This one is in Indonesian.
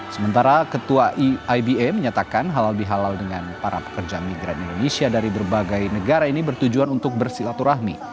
sementara ketua iiba menyatakan halal bihalal dengan para pekerja migran indonesia dari berbagai negara ini bertujuan untuk bersilaturahmi